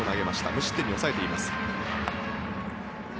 無失点に抑えています。